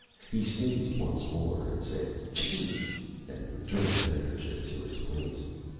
He sneezed once more and said, "Chee!" and returned the handkerchief to its place.